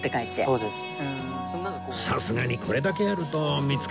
そうですよ。